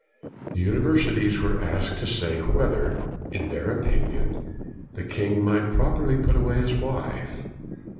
The universities were asked to say whether, in their opinion, the king might properly put away his wife.